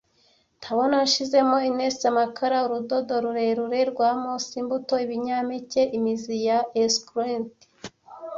Ndabona nshizemo gneiss, amakara, urudodo rurerure rwa mose, imbuto, ibinyampeke, imizi ya esculent,